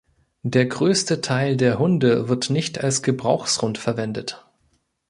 Der größte Teil der Hunde wird nicht als Gebrauchshund verwendet.